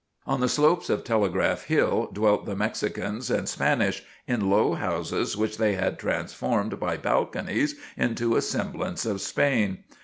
On the slopes of Telegraph Hill dwelt the Mexicans and Spanish, in low houses, which they had transformed by balconies into a semblance of Spain.